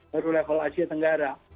baru level asia tenggara